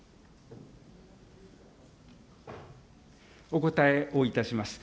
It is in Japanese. お答えをいたします。